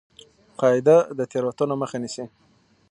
قاعده د تېروتنو مخه نیسي.